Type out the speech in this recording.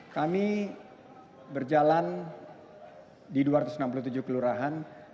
kami berjalan di dua ratus enam puluh tujuh kelurahan